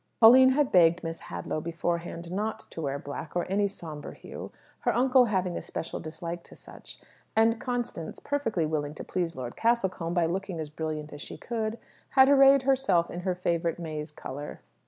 Pauline had begged Miss Hadlow beforehand not to wear black, or any sombre hue, her uncle having a special dislike to such; and Constance, perfectly willing to please Lord Castlecombe by looking as brilliant as she could, had arrayed herself in her favourite maize colour.